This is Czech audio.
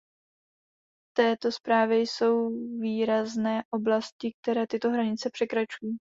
V této zprávě jsou výrazné oblasti, které tyto hranice překračují.